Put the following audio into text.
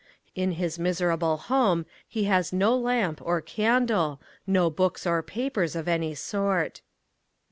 In his miserable home he has no lamp or candle, no books or papers of any sort.